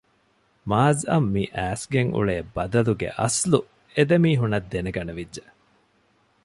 މާޒްއަށް މި އައިސްގެން އުޅޭ ބަދަލުގެ އަސްލު އެދެމީހުންނަށް ދެނެގަނެވިއްޖެ